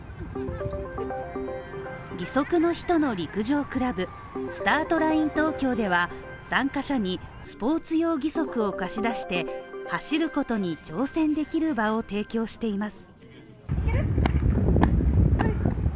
義足の人の陸上クラブスタートラインＴｏｋｙｏでは参加者にスポーツ用義足を貸し出して走ることに挑戦できる場を提供しています